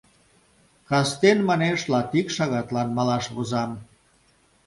Кастен, манеш, латик шагатлан малаш возам.